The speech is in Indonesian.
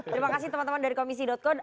terima kasih teman teman dari komisi co